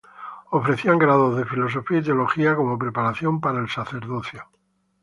Ofrecían grados de filosofía y teología como preparación para el sacerdocio.